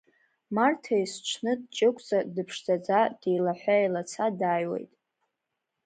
Марҭа есҽны дҷыгәӡа, дыԥшӡаӡа, деилаҳәа-еилаца дааиуеит.